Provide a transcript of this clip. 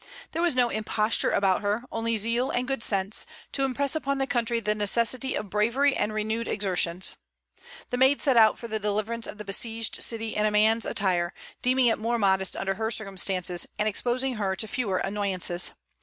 There was no imposture about her, only zeal and good sense, to impress upon the country the necessity of bravery and renewed exertions. The Maid set out for the deliverance of the besieged city in a man's attire, deeming it more modest under her circumstances, and exposing her to fewer annoyances.